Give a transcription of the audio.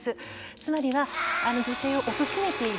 つまりは女性をおとしめている。